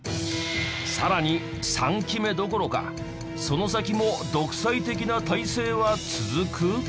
さらに３期目どころかその先も独裁的な体制は続く？